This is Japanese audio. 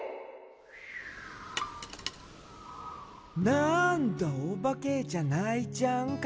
「なあんだ、おばけじゃないじゃんか」